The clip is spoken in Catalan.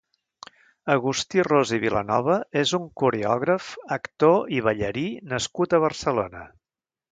Agustí Ros i Vilanova és un coreògraf, actor i ballarí nascut a Barcelona.